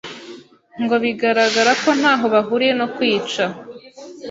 ngo bigaragara ko ntaho bahuriye no kwica